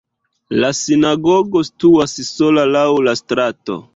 La sinagogo situas sola laŭ la strato.